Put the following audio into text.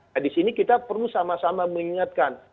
nah di sini kita perlu sama sama mengingatkan